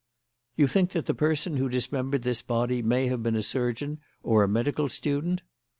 "You think that the person who dismembered this body may have been a surgeon or a medical student?"